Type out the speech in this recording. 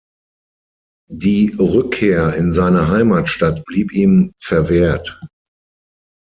Die Rückkehr in seine Heimatstadt blieb ihm verwehrt.